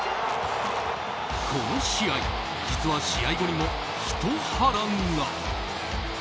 この試合、実は試合後にもひと波乱が。